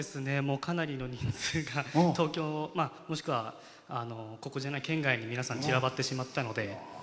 かなりの人数が東京もしくは県外に皆さん散らばってしまったので。